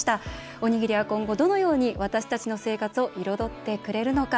おにぎりは今後、どのように私たちの生活を彩ってくれるのか。